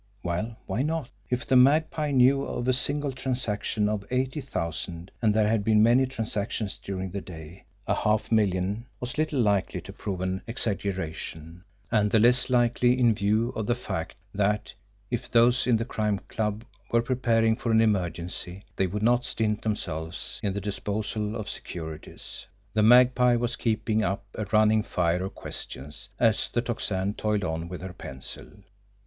Well, why not? If the Magpie knew of a single transaction of eighty thousand, and there had been many transactions during the day, a half million was little likely to prove an exaggeration and the less likely in view of the fact that, if those in the Crime Club were preparing for an emergency, they would not stint themselves in the disposal of securities. The Magpie was keeping up a running fire of questions, as the Tocsin toiled on with her pencil.